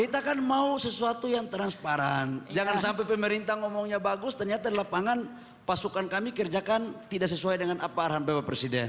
kita kan mau sesuatu yang transparan jangan sampai pemerintah ngomongnya bagus ternyata di lapangan pasukan kami kerjakan tidak sesuai dengan apa arahan bapak presiden